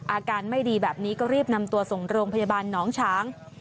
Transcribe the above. อาการไม่ดีแบบนี้ก็รีบนำตัวส่งโรงพยาบาลหนองช้าง